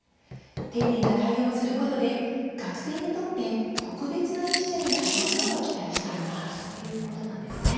丁寧な対応をすることで学生にとって、特別な１社になることを期待しています。